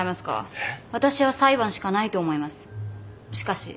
えっ？